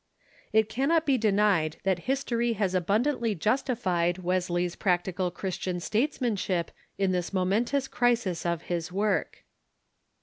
It cannot be denied that history has abundantly justified Wesley's practical Christian statesmanshij^ in this momentous crisis of his work.